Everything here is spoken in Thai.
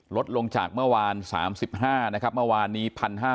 ลดลงจากเมื่อวาน๓๕นะครับเมื่อวานนี้๑๕๐